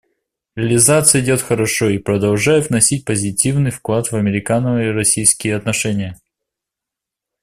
Реализация идет хорошо и продолжает вносить позитивный вклад в американо-российские отношения.